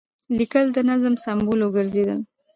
لیکل د نظم سمبول وګرځېدل.